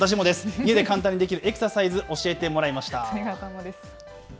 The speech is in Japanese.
家で簡単にできるエクササイズ、教えてもらいました。